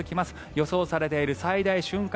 予想されている最大瞬間